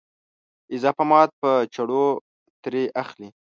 اضافه مواد په چړو ترې اخلي.